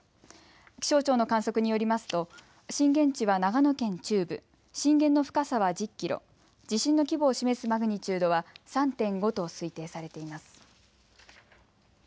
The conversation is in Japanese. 気象庁の観測によりますと震源地は長野県中部、震源の深さは１０キロ、地震の規模を示すマグニチュードは３．５と推定されています。